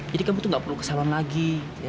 jadi kamu tuh gak perlu kesalahan lagi